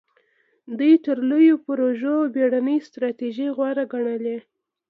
دوی تر لویو پروژو بېړنۍ ستراتیژۍ غوره ګڼلې.